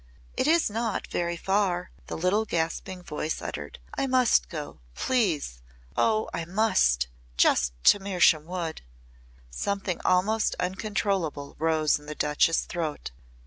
"It is not very far," the little gasping voice uttered. "I must go, please! Oh! I must! Just to Mersham Wood!" Something almost uncontrollable rose in the Duchess' throat.